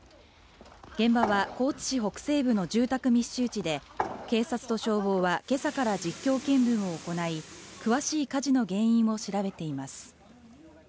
現場は高知市北西部の住宅密集地で警察と消防はけさから実況見分を行い詳しい火事の原因を調べています